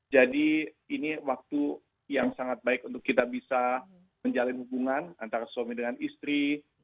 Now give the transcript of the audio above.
jadi ini waktu yang sangat baik untuk kita bisa menjalin hubungan antara suami dengan istri